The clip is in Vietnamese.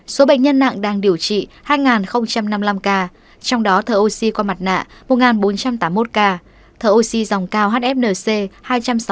số bệnh nhân nặng đang điều trị hai năm mươi năm ca trong đó thở oxy qua mặt nạ một bốn trăm tám mươi một ca thở oxy dòng cao hfnc hai trăm sáu mươi tám